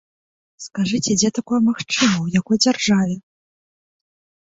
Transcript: Скажыце, дзе такое магчыма, у якой дзяржаве?